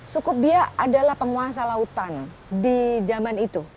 suku biak adalah penguasa lautan di zaman itu